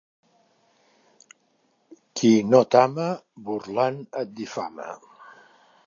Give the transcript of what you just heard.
Qui no t'ama, burlant et difama.